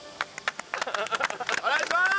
お願いしまーす！